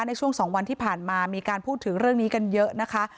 ในช่วง๒วันที่ผ่านมามีการพูดถึงเรื่องนี้กันเยอะนะคะ